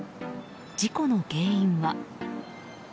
事故の原因は？